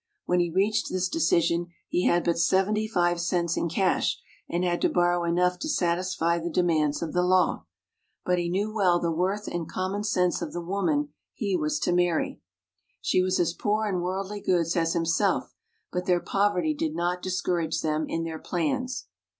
When he reached this decision he had but seventy five cents in cash, and had to borrow enough to satisfy the demands of the law. But he knew well the worth and common sense of the woman he was to marry. She INTRODUCTION 15 was as poor in worldly goods as himself ; but their poverty did not discourage them in their plans.